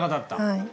はい。